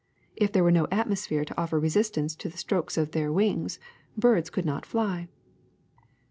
If there were no atmosphere to offer resistance to the strokes of their wings, birds could not fly.